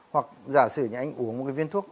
hoặc giả sử như anh uống một cái viên thuốc